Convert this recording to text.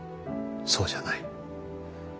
そうじゃない。